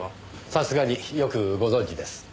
さすがによくご存じです。